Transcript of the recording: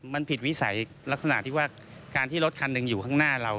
มันผิดวิสัยลักษณะที่ว่าการที่รถคันหนึ่งอยู่ข้างหน้าเรา